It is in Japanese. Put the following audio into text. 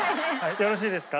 よろしいですか？